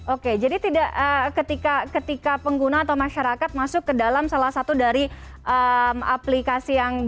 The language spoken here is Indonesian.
oke jadi tidak ketika pengguna atau masyarakat masuk ke dalam salah satu dari aplikasi yang diberikan